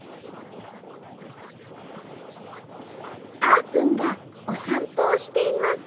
あーぷんがおさんぽをしています